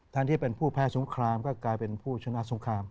ที่เป็นผู้แพ้สงครามก็กลายเป็นผู้ชนะสงคราม